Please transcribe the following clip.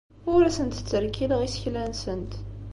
Ur asent-ttrekkileɣ isekla-nsent.